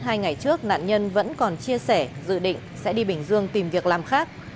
trong hai ngày trước nạn nhân vẫn còn chia sẻ dự định sẽ đi bình dương tìm việc làm khác